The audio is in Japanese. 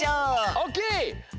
オッケー！